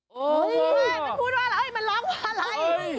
เฮ้ยมันพูดว่าอะไรมันร้องว่าอะไร